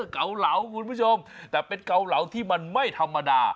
เกาเหลาคุณผู้ชมแต่เป็นเกาเหลาที่มันไม่ธรรมดา